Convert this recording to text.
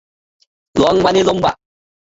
Long মানে লম্বা।